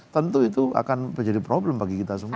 tentu itu akan menjadi problem bagi kita semua